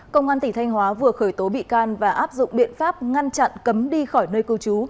công an tỉnh thanh hóa vừa khởi tố bị can và áp dụng biện pháp ngăn chặn cấm đi khỏi nơi cư trú